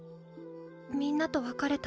みんなと別れた